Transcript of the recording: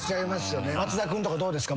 松田君とかどうですか？